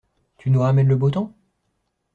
Tu nous ramènes le beau temps?